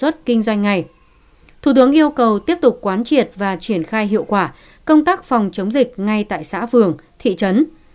thủ tướng yêu cầu tiếp tục quán triệt và triển khai hiệu quả công tác phòng chống dịch ngay tại xã phường thị trấn